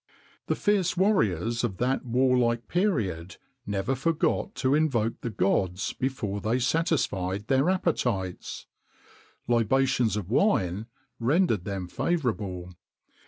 [XXIX 56] The fierce warriors of that warlike period never forgot to invoke the gods before they satisfied their appetites: libations of wine rendered them favourable.